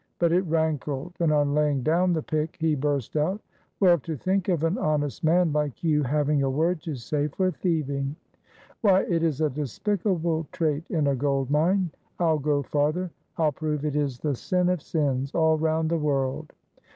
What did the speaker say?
But it rankled, and on laying down the pick he burst out: "Well, to think of an honest man like you having a word to say for thieving. Why, it is a despicable trait in a gold mine. I'll go farther, I'll prove it is the sin of sins all round the world.